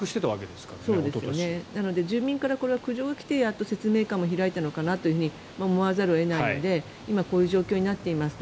住民から苦情が来て説明会も開いたのかなと思わざるを得ないので今こういう状況になっています